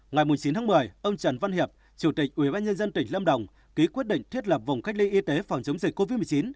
ngày chín tháng một mươi ông trần văn hiệp chủ tịch ubnd tỉnh lâm đồng ký quyết định thiết lập vùng cách ly y tế phòng chống dịch covid một mươi chín